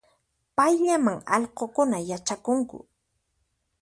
Payllaman allqunkuna yachakunku